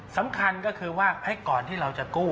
สำคัญก็คือว่าให้ก่อนที่เราจะกู้